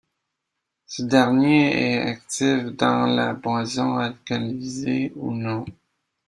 Ce dernier est actif dans la boisson alcoolisée ou non.